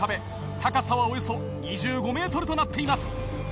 高さはおよそ２５ｍとなっています。